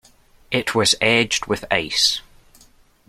It was edged with ice.